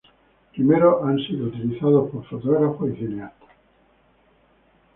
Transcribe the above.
Primero han sido utilizados por fotógrafos y cineastas.